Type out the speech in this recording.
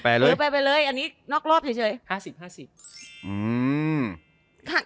แปลเลยแปลไปเลยอันนี้นอกรอบเฉยเฉยห้าสิบห้าสิบอืมห้า